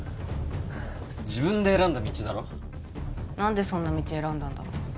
自分で選んだ道だろ何でそんな道選んだんだろう